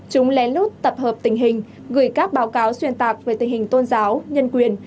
chúng lén lút tập hợp tình hình gửi các báo cáo xuyên tạc về tình hình tôn giáo nhân quyền